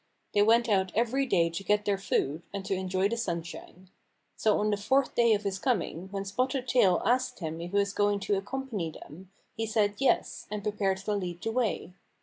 They went out every day to get their food, and to enjoy the sunshine. So on the fourth day of his coming, when Spotted Tail asked him if he was going to accompany them, he said yes, and prepared to lead the way.